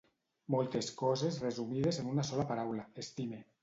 Moltes coses resumides en una sola paraula: estime.